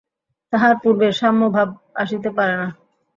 তাহার পূর্বে সাম্যভাব আসিতে পারে না।